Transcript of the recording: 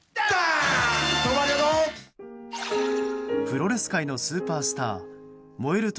プロレス界のスーパースター燃える